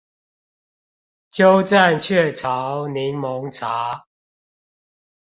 鳩佔鵲巢檸檬茶